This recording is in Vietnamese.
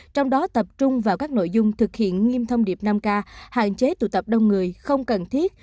trong đó tập trung vào các nội dung thực hiện nghiêm thông điệp năm k hạn chế tụ tập đông người không cần thiết